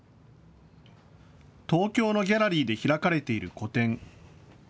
東京のギャラリーで開かれている個展。